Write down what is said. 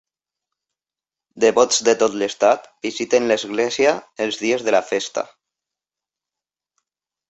Devots de tot l'estat visiten l'església els dies de la festa.